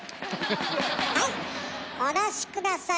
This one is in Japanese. はいお出し下さい。